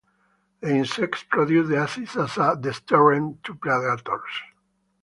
The insects produce the acid as a deterrent to predators.